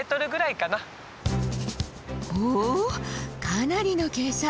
かなりの傾斜。